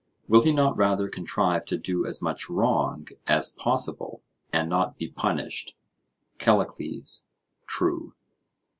Will he not rather contrive to do as much wrong as possible, and not be punished? CALLICLES: True.